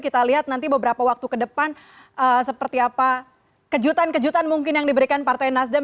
kita lihat nanti beberapa waktu ke depan seperti apa kejutan kejutan mungkin yang diberikan partai nasdem